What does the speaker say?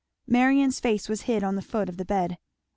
Marion's face was hid on the foot of the bed.